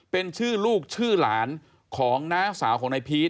เป็นชื่อลูกชื่อหลานของน้าสาวของนายพีช